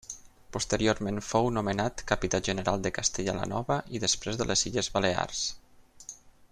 Posteriorment fou nomenat capità general de Castella la Nova i després de les Illes Balears.